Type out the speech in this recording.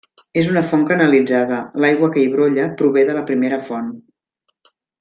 És una font canalitzada; l'aigua que hi brolla prové de la primera font.